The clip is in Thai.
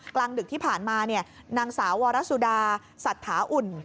กลางดึกที่ผ่านมานางสาววรสุดาสัตถาอุ่น